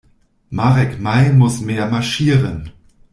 Marek Mai muss mehr marschieren.